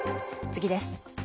次です。